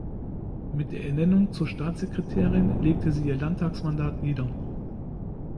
Mit der Ernennung zur Staatssekretärin legte sie ihr Landtagsmandat nieder.